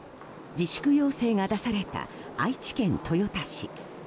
自粛要請が出された愛知県豊田市。